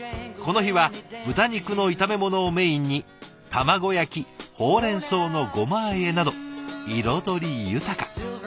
この日は豚肉の炒め物をメインに卵焼きほうれんそうのごまあえなど彩り豊か。